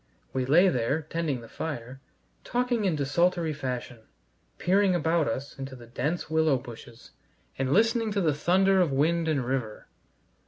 We lay there, tending the fire, talking in desultory fashion, peering about us into the dense willow bushes, and listening to the thunder of wind and river.